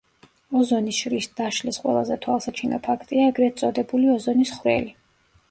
ოზონის შრის დაშლის ყველაზე თვალსაჩინო ფაქტია ეგრეთ წოდებული ოზონის ხვრელი.